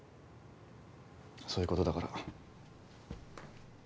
そういうことだから。